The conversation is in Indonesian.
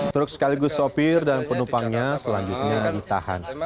truk sekaligus sopir dan penumpangnya selanjutnya ditahan